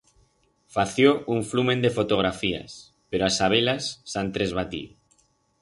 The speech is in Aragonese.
Fació un flumen de fotografías, pero a-saber-las s'han tresbatiu.